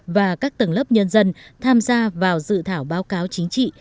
và các tầng lớp nhân dân tham gia vào dự thảo báo cáo chính trị